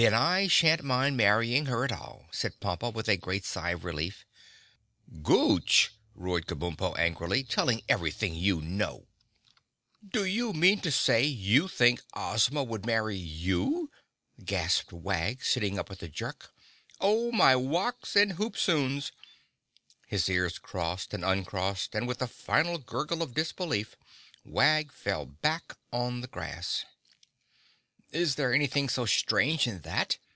"Then I sha'n't mind marrying her at all," said Pompa, with a great sigh of relief. "Gooch!" roared Kabumpo angrily—"Telling everything you know!" "Do you mean to say you think Ozma would marry you?" gasped Wag, sitting up with a jerk. "Oh, my wocks and hoop soons!" His ears crossed and uncrossed and with a final gurgle of disbelief Wag fell back on the grass. "Well, is there anything so strange in that?"